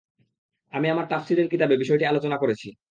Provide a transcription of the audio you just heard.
আমি আমার তাফসীরের কিতাবে বিষয়টি আলোচনা করেছি।